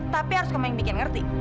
tapi harus kamu yang bikin ngerti